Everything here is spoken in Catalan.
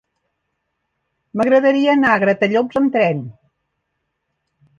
M'agradaria anar a Gratallops amb tren.